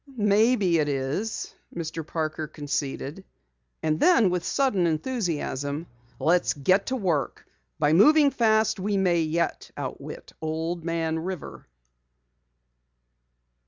"Maybe it is," Mr. Parker conceded, and then with sudden enthusiasm: "Let's get to work. By moving fast we may yet outwit Old Man River!"